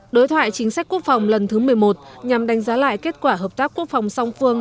đối thoại chính sách quốc phòng lần thứ một mươi một nhằm đánh giá lại kết quả hợp tác quốc phòng song phương